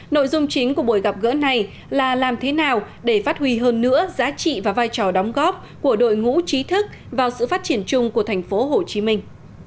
nội dung chính của buổi gặp gỡ này là làm thế nào để phát huy hơn nữa giá trị và vai trò đóng góp của đội ngũ trí thức vào sự phát triển chung của thành phố hồ chí minh